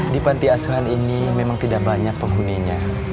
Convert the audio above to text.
di panti asuhan ini memang tidak banyak penghuninya